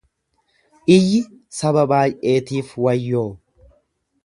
Iyyi saba baay'eetiif wayyoo!